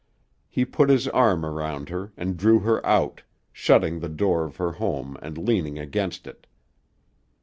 He put his arm around her and drew her out, shutting the door of her home and leaning against it.